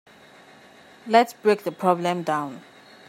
Let's break the problem down.